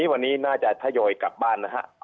วันนี้น่าจะทยอยกลับบ้านนะฮะ